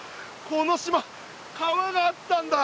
この島川があったんだ！